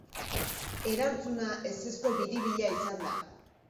Erantzuna ezezko biribila izan da.